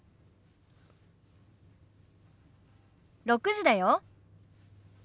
６時だよ。